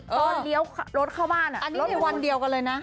เลี้ยวรถเข้าบ้านอันนี้ในวันเดียวกันเลยนะ